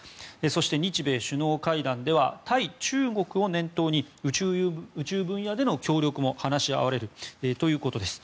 そして日米首脳会談では対中国を念頭に宇宙分野での協力も話し合われるということです。